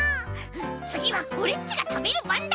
つぎはオレっちがたべるばんだ！